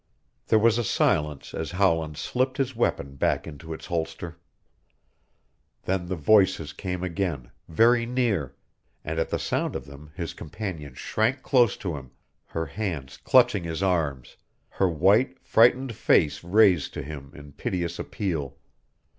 There was a silence as Howland slipped his weapon back into its holster. Then the voices came again, very near, and at the sound of them his companion shrank close to him, her hands clutching his arms, her white, frightened face raised to him in piteous appeal.